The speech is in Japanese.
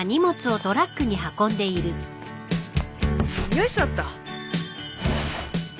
よいしょっと。